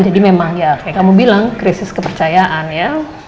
jadi memang ya kayak kamu bilang krisis kepercayaan ya